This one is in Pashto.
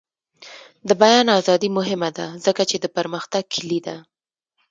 د بیان ازادي مهمه ده ځکه چې د پرمختګ کلي ده.